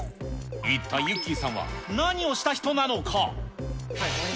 一体ゆっｋｅｙさんは何をした人なのか。